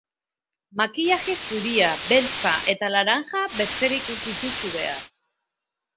Makillaje zuria, beltza eta laranja besterik ez dituzu behar.